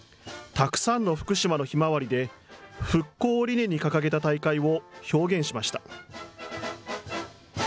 たくさんの福島のひまわりで復興を理念に掲げた大会を表現しました。